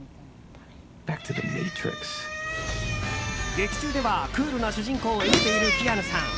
劇中では、クールな主人公を演じているキアヌさん。